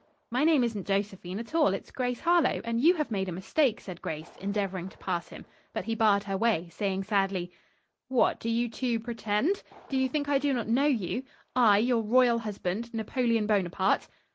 "My name isn't Josephine at all. It's Grace Harlowe, and you have made a mistake," said Grace, endeavoring to pass him. But he barred her way, saying sadly: "What, do you, too, pretend? Do you think I do not know you? I, your royal husband, Napoleon Bonaparte."